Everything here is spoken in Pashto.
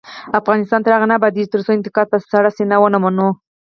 افغانستان تر هغو نه ابادیږي، ترڅو انتقاد په سړه سینه ونه منو.